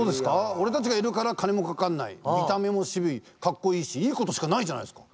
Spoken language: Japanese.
俺たちがいるから金もかかんない見た目も渋いかっこいいしいいことしかないじゃないですか。